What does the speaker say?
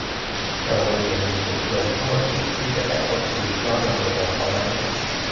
โรงเรียนมีสิทธิลงโทษสิ่งที่จะกระทบชีวิตนอกโรงเรียนของเขาไหม ?